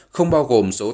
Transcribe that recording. không bao gồm số tạm ứng